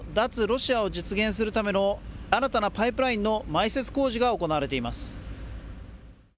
ロシアを実現するための新たなパイプラインの埋設工事が行われています。